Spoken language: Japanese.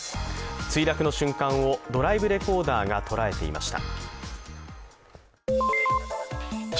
墜落の瞬間をドライブレコーダーが捉えていました。